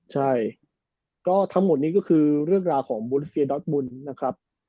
ใช่ก็ทั้งหมดนี้ก็คือเรื่องราวของบุริเซียดอสบุญนะครับ